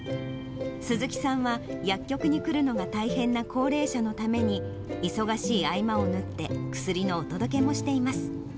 鈴木さんは薬局に来るのが大変な高齢者のために、忙しい合間を縫って、薬のお届けもしています。